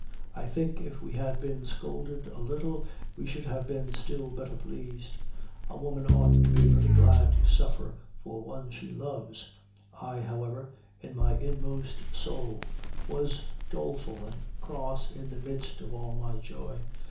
I think if we had been scolded a little, we should have been still better pleased. A woman ought to be very glad to suffer for one she loves! I, however, in my inmost soul, was doleful and cross in the midst of all my joy.